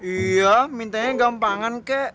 iya mintaannya gampangan kek